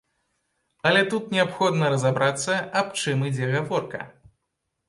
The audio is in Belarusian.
Але тут неабходна разабрацца, аб чым ідзе гаворка.